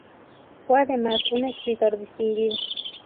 Fue además un escritor distinguido.